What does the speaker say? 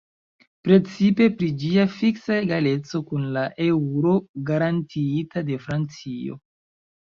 Precipe pri ĝia fiksa egaleco kun la eŭro garantiita de Francio.